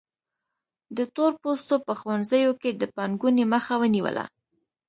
د تور پوستو په ښوونځیو کې د پانګونې مخه ونیوله.